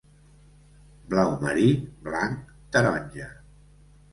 Blau marí, blanc, taronja.